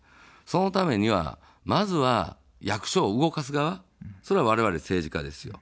そのためには、まずは役所を動かす側、それはわれわれ政治家ですよ。